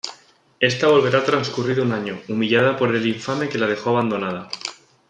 Ésta volverá transcurrido un año, humillada por el infame, que la dejó abandonada.